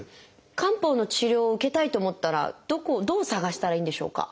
漢方の治療を受けたいと思ったらどこをどう探したらいいんでしょうか？